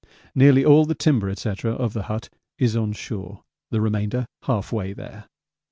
Nearly all the timber, &c., of the hut is on shore, the remainder half way there.